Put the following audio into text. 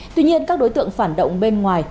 tuy nhiên các đối tượng phản động bên ngoài